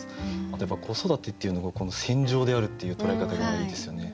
あとやっぱ子育てっていうのが戦場であるっていう捉え方がいいですよね。